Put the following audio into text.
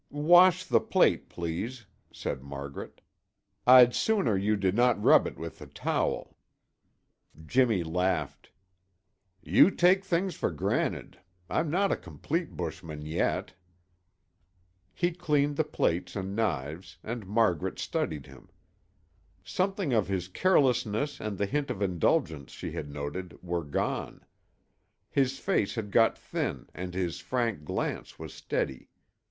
"Wash the plate, please," said Margaret. "I'd sooner you did not rub it with the towel." Jimmy laughed. "You take things for granted. I'm not a complete bushman yet." He cleaned the plates and knives, and Margaret studied him. Something of his carelessness and the hint of indulgence she had noted were gone. His face had got thin and his frank glance was steady.